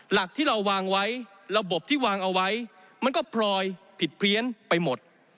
หลักที่เราวางไว้ระบบที่วางเอาไว้มันก็พลอยผิดเพี้ยนไปหมด